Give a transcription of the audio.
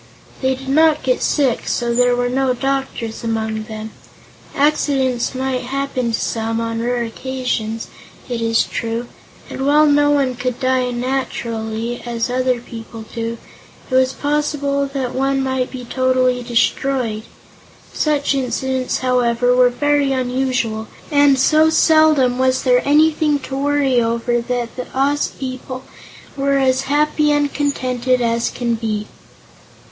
They did not get sick, so there were no doctors among them. Accidents might happen to some, on rare occasions, it is true, and while no one could die naturally, as other people do, it was possible that one might be totally destroyed. Such incidents, however, were very unusual, and so seldom was there anything to worry over that the Oz people were as happy and contented as can be.